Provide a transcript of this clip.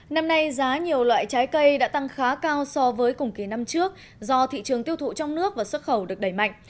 năm nay giá nhiều loại trái cây đã tăng khá cao so với cùng kỳ năm trước do thị trường tiêu thụ trong nước và xuất khẩu được đẩy mạnh